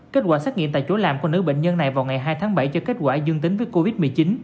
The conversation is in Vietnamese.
kết quả xét nghiệm tại chỗ làm của nữ bệnh nhân này vào ngày hai tháng bảy cho kết quả dương tính với covid một mươi chín